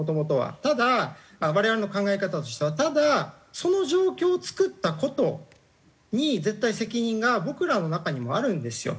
ただ我々の考え方としてはただその状況を作った事に絶対責任が僕らの中にもあるんですよ。